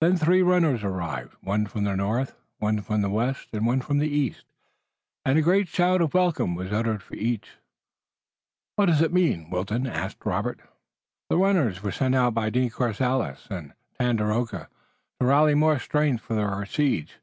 Then three runners arrived, one from the north, one from the west, and one from the east, and a great shout of welcome was uttered for each. "What does it mean?" Wilton asked Robert. "The runners were sent out by De Courcelles and Tandakora to rally more strength for our siege.